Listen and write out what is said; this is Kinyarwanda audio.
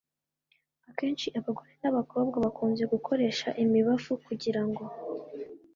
akenshi abagore n'abakobwa bakunze gukoresha imibavu kugira ngo